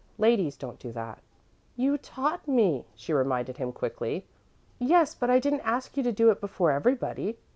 Ladies don't do that." "You taught me," she reminded him, quickly. "Yes, but I didn't ask you to do it before everybody.